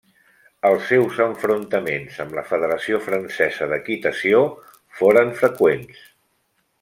Els seus enfrontaments amb la federació francesa d'equitació foren freqüents.